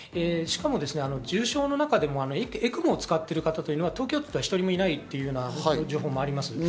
しかも重症の中でもＥＣＭＯを使っている方というのは東京都では１人もいないという情報もあります。